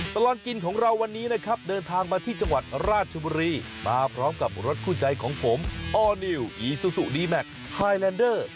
ตลอดกินของเราวันนี้นะครับเดินทางมาที่จังหวัดราชบุรีมาพร้อมกับรถคู่ใจของผมออร์นิวอีซูซูดีแมคไฮแลนเดอร์